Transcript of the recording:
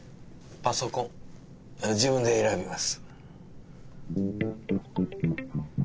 パソコン自分で選びます。